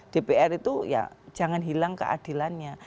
dpr itu ya jangan hilang keadilannya